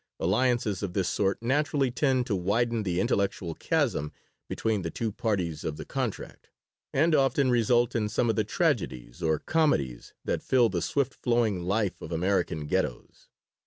Alliances of this sort naturally tend to widen the intellectual chasm between the two parties to the contract, and often result in some of the tragedies or comedies that fill the swift flowing life of American Ghettos.